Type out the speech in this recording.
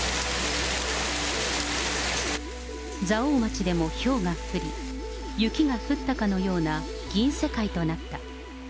蔵王町でもひょうが降り、雪が降ったかのような銀世界となった。